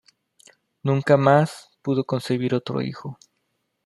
Nunca más pudo concebir otro hijo.